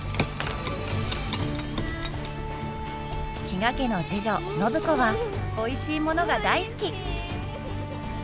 比嘉家の次女暢子はおいしいものが大好き！